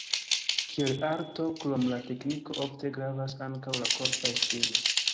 Kiel arto, krom la tekniko, ofte gravas ankaŭ la korpa esprimo.